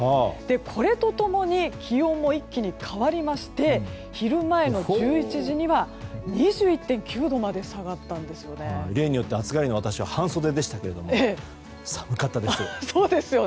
これと共に気温も一気に変わりまして昼前の１１時には２１．９度まで例によって暑がりの私は半袖でしたけれども寒かったですよ。